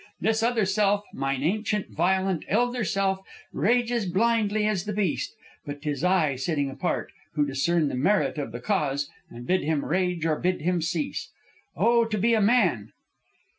This other self, mine ancient, violent, elder self, rages blindly as the beast, but 'tis I, sitting apart, who discern the merit of the cause and bid him rage or bid him cease!' Oh, to be a man!"